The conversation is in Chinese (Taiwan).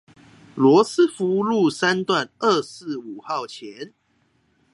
羅斯福路三段二四五號前